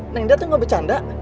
neng dia tuh gak bercanda